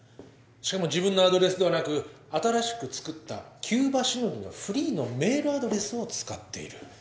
しかも自分のアドレスではなく新しく作った急場しのぎのフリーのメールアドレスを使っている。